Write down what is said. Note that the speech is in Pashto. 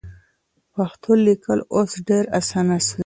پښتو لیکل اوس ډېر اسانه سوي دي.